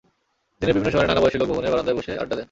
দিনের বিভিন্ন সময়ে নানা বয়সী লোক ভবনের বারান্দায় বসে আড্ডা দেন।